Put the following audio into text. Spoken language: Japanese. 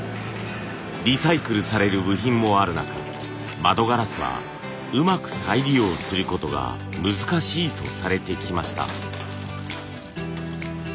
リサイクルされる部品もある中窓ガラスはうまく再利用することが難しいとされてきました。